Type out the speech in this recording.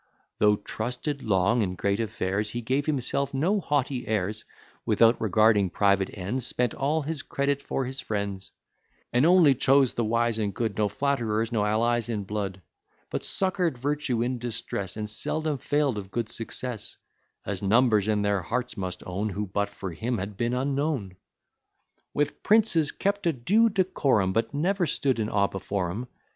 Though trusted long in great affairs He gave himself no haughty airs: Without regarding private ends, Spent all his credit for his friends; And only chose the wise and good; No flatterers; no allies in blood: But succour'd virtue in distress, And seldom fail'd of good success; As numbers in their hearts must own, Who, but for him, had been unknown. "With princes kept a due decorum, But never stood in awe before 'em.